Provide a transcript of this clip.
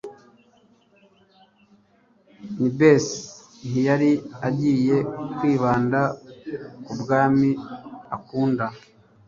Nlbese ntiyari agiye kwibanda ku bwami akunda,